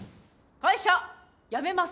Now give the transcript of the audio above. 会社辞めます。